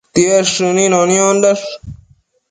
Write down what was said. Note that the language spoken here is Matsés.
Tied shënino niondash